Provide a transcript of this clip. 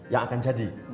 yang akan jadi